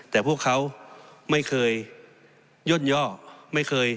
แต่พวกเขาไม่เคยย่อ